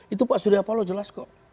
itu pak surya paloh jelas kok